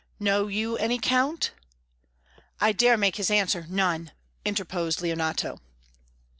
"Know you any, Count?" "I dare make his answer, none," interposed Leonato.